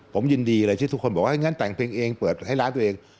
ผมยินดีเลยที่ทุกคนบอกว่างั้นแต่งเพลงเองเปิดให้ร้านตัวเอง